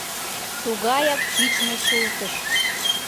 Тугаяк пӱчмӧ шултыш!